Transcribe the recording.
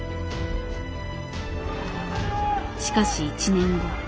しかし１年後。